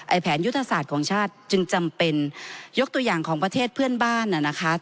แผนยุทธศาสตร์ของชาติจึงจำเป็นยกตัวอย่างของประเทศเพื่อนบ้านน่ะนะคะ